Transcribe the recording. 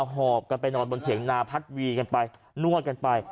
หอบกันไปนอนบนเถียงนาพัดวีกันไปนวดกันไป